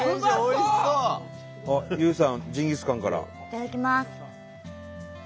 いただきます。